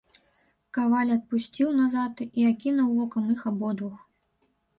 Каваль адступіў назад і акінуў вокам іх абодвух.